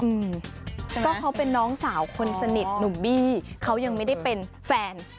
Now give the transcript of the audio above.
อืมก็เขาเป็นน้องสาวคนสนิทหนุ่มบี้เขายังไม่ได้เป็นแฟน